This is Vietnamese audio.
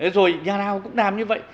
rồi nhà nào cũng làm như vậy